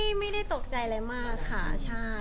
ไม่ได้ตกใจอะไรมากค่ะใช่